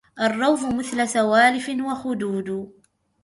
الروض مثل سوالف وخدود